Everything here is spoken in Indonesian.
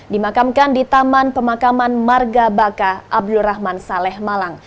dimakamkan di taman pemakaman marga baka abdulrahman saleh malang